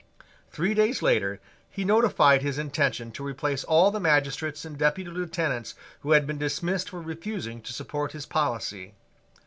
Three days later he notified his intention to replace all the magistrates and Deputy Lieutenants who had been dismissed for refusing to support his policy.